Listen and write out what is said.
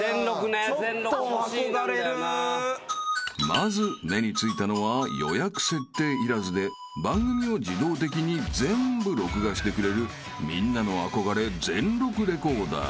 ［まず目に付いたのは予約設定いらずで番組を自動的に全部録画してくれるみんなの憧れ全録レコーダー］